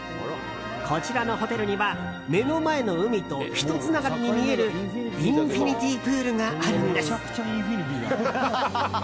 こちらのホテルには目の前の海とひとつながりに見えるインフィニティープールがあるんです。